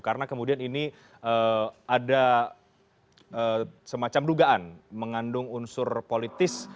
karena kemudian ini ada semacam dugaan mengandung unsur politis